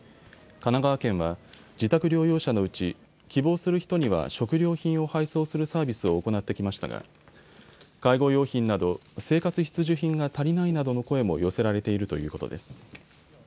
神奈川県は自宅療養者のうち希望する人には食料品を配送するサービスを行ってきましたが介護用品など生活必需品が足りないなどの声も寄せられているということです。